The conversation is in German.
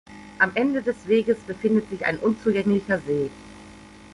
Am Ende des Weges befindet sich ein unzugänglicher See.